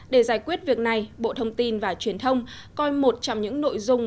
để giải quyết việc này bộ thông tin và truyền thông coi một trong những nội dung